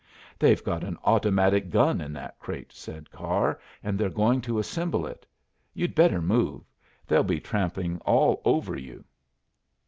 "They've got an automatic gun in that crate," said Carr, "and they're going to assemble it. You'd better move; they'll be tramping all over you."